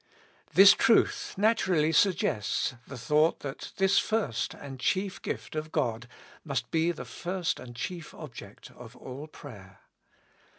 This truth naturally suggests the thought that this first and chief gift of God must be the first and chief object of all prayer.